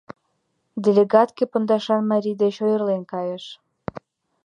Делегатке пондашан марий деч ойырлен кайыш.